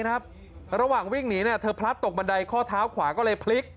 ระหว่างวิ่งหนีเธอพลัดตกบันไดข้อเท้าขวาก็เลยพลิก